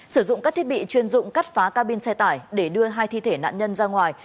sử dụng các thiết bị chuyên dụng cắt phá cabin xe tải để đưa hai thi thể nạn nhân ra ngoài